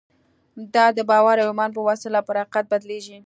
دا د باور او ایمان په وسیله پر حقیقت بدلېږي